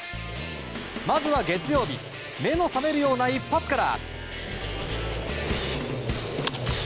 まずは月曜日目の覚めるような一発から。